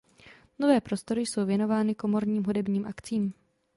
Nové prostory jsou věnovány komorním hudebním akcím.